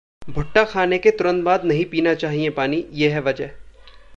भुट्टा खाने के तुरंत बाद नहीं पीना चाहिए पानी, ये है वजह